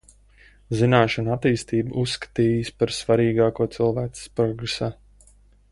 Zināšanu attīstību uzskatījis par svarīgāko cilvēces progresā.